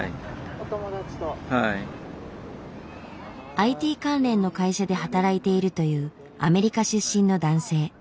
ＩＴ関連の会社で働いているというアメリカ出身の男性。